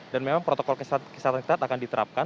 dan memang protokol kesatuan kita akan diterapkan